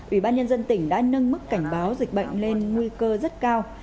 ủy ban nhân dân tỉnh đã nâng mức cảnh báo dịch bệnh lên nguy cơ rất cao